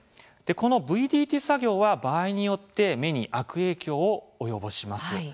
このＶＤＴ作業は、場合によって目に悪影響を及ぼします。